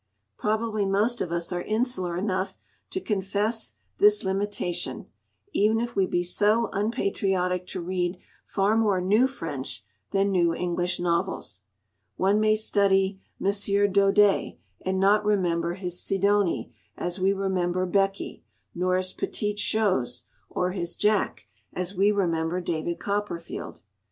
Probably most of us are insular enough to confess this limitation; even if we be so unpatriotic to read far more new French than new English novels. One may study M. Daudet, and not remember his Sidonie as we remember Becky, nor his Petit Chose or his Jack as we remember David Copperfield.